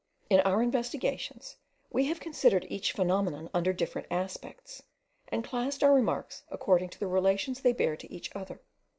In our investigations we have considered each phenomenon under different aspects, and classed our remarks according to the relations they bear to each other.